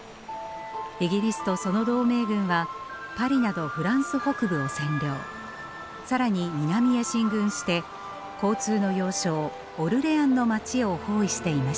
イギリスとその同盟軍はパリなどフランス北部を占領更に南へ進軍して交通の要衝オルレアンの街を包囲していました。